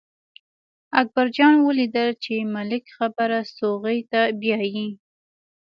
اکبر جان ولیدل چې ملک خبره ستوغې ته بیايي.